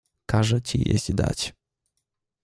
"Każę ci jeść dać."